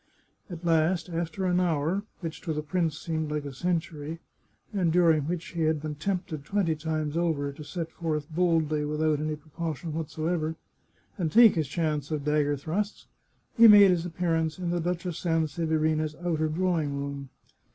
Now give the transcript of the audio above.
At last, after an hour, which to the prince seemed like a cen tury, and during which he had been tempted, twenty times over, to set forth boldly without any precaution whatsoever, and take his chance of dagger thrusts, he made his appear ance in the Duchess Sanseverina's outer drawing room.